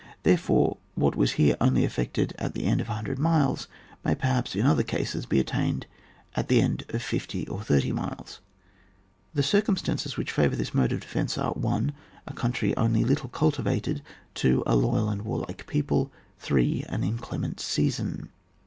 Therefore, what was here only effected at the end of 100 miles, may perhaps, in other ca^es, be attained at the end of 50 or 30 miles. The circumstances which favour this mode of defence are — 1. A country only little cultivated. 2. A loyal and warlike people. 3. An inclement season.